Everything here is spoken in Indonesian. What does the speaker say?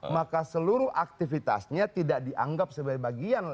maka seluruh aktivitasnya tidak dianggap sebagai bagian